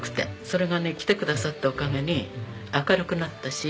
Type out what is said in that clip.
それがね来てくださったおかげに明るくなったし。